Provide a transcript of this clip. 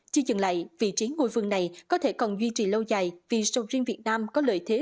chưa dừng lại vị trí ngôi vườn này có thể còn duy trì lâu dài vì sầu riêng việt nam có lợi thế